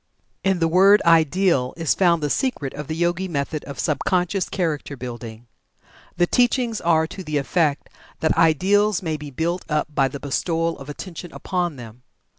In the word "ideal" is found the secret of the Yogi method of sub conscious character building. The teachings are to the effect that "ideals" may be built up by the bestowal of attention upon them.